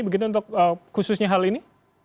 begitu untuk khususnya hal ini